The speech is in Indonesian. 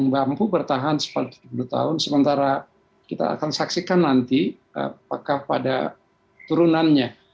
berebut laurent bertahan sepuluh tahun sementara kita akan saksikan nanti apakah pada turunannya